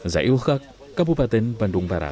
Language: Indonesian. zai uhkak kabupaten bandung barat